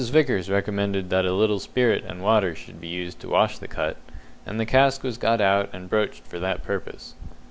Vickers recommended that a little spirit and water should be used to wash the cut, and the cask was got out and broached for that purpose.